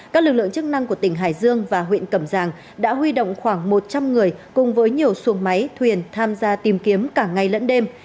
các lực lượng chức năng của tỉnh hải dương và huyện cẩm giang đã huy động khoảng một trăm linh người cùng với nhiều xuồng máy thuyền tham gia tìm kiếm cả ngày lẫn đêm